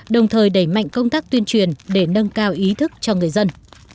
đồng thời đẩy mạnh công tác tuyên truyền để nâng cao ý thức cho người dân